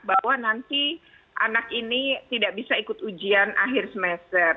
bahwa nanti anak ini tidak bisa ikut ujian akhir semester